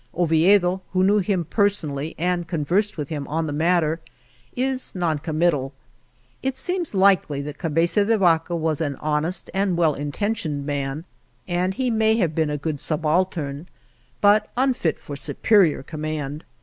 Oviedo, who knew him personally and conversed with him on the matter, is non committal. It seems likely that Cabeza de Vaca was an honest and well intentioned man, and he may have been a good sub altern but unfit for superior command.